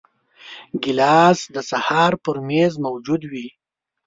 ګیلاس د سهار پر میز موجود وي.